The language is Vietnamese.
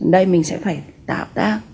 đây mình sẽ phải tạo tác